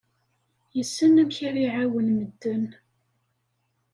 Yessen amek ara iɛawen medden.